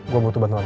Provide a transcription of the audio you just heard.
gue butuh bantuan